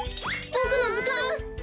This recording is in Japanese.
ボクのずかん！